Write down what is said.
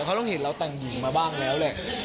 เขาต้องเห็นเราแต่งหญิงมาบ้างแล้วแหละ